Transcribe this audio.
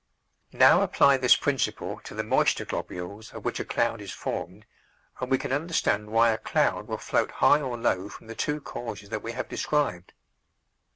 Now apply this principle to the moisture globules of which a cloud is formed and we can understand why a cloud will float high or low from the two causes that we have described.